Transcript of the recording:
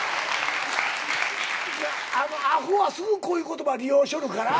アホはすぐこういう言葉利用しよるから。